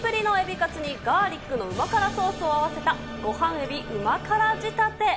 カツに、ガーリックの旨辛ソースを合わせた、ごはん海老旨辛仕立て。